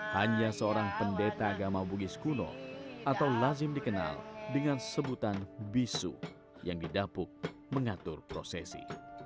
hanya seorang pendeta agama bugis kuno atau lazim dikenal dengan sebutan bisu yang didapuk mengatur prosesi